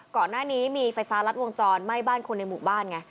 ก่อนหน้านี้มีไฟฟ้ารัดวงจรไหม้บ้านคนในหมู่บ้านไง